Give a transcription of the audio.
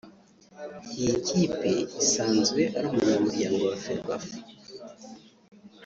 Iyi kipe isanzwe ari umunyamuryango wa Ferwafa